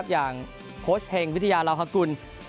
อย่างโคชเฮงวิทยาลาวฮะกุล